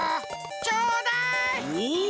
ちょうだい！おい。